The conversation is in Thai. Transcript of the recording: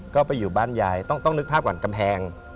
ก็ไปอยู่บ้านยายต้องนึกภาพก่อนกำแพง